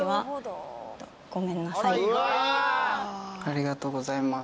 ありがとうございます。